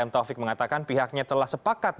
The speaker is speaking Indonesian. m taufik mengatakan pihaknya telah sepakat